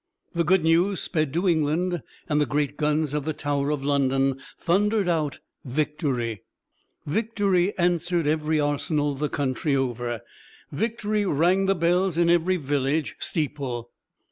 The good news sped to England, and the great guns of the Tower of London thundered out "Victory!" "Victory!" answered every arsenal the country over. "Victory!" rang the bells in every village steeple.